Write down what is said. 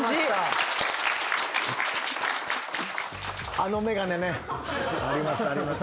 あの眼鏡ね。ありますあります。